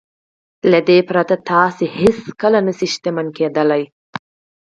له دې پرته تاسې هېڅکله نه شئ شتمن کېدلای.